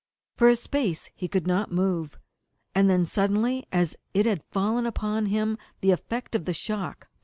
For a space he could not move, and then, as suddenly as it had fallen upon him, the effect of the shock passed away.